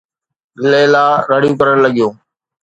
ليلا رڙيون ڪرڻ لڳيون.